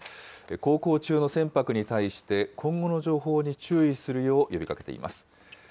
航行中の船舶に対して、今後の情報に注意するよう呼びかけています。